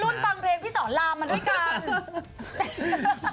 นึกว่ารุ่นฟังเพลงพี่สอนลามมาด้วยกัน